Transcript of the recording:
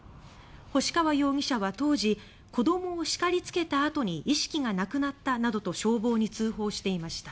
星川容疑者は当時「子どもを叱りつけた後に意識がなくなった」などと消防に通報していました。